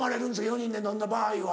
４人で飲んだ場合は。